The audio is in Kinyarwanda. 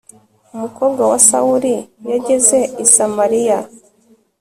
umukobwa wa sawuli yageze i samaliya